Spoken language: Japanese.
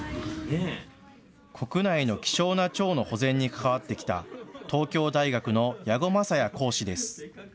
国内の希少なチョウの保全に関わってきた東京大学の矢後勝也講師です。